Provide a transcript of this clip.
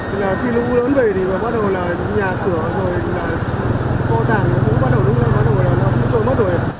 khi lũ lớn về thì bắt đầu nhà cửa phô tàng lũ bắt đầu rung ra bắt đầu lũ trôi mất rồi